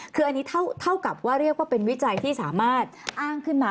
คืออันนี้เท่ากับว่าเรียกว่าเป็นวิจัยที่สามารถอ้างขึ้นมา